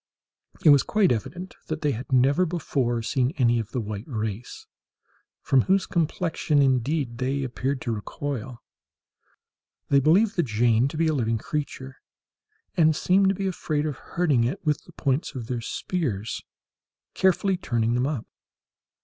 It was quite evident that they had never before seen any of the white race—from whose complexion, indeed, they appeared to recoil. They believed the Jane to be a living creature, and seemed to be afraid of hurting it with the points of their spears, carefully turning them up.